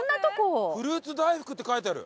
「フルーツ大福」って書いてある！